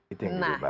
itu yang diubah